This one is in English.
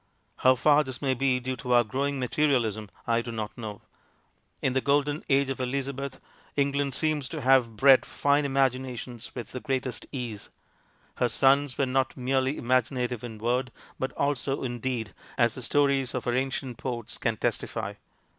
How far this may be due to our growing materialism I do not know. In the golden age of Elizabeth England seems to have bred fine imaginations with the greatest ease ; her sons were not merely IS ENGLAND DECADENT? 191 imaginative in word, but also in deed, as the stories of her ancient ports can testify.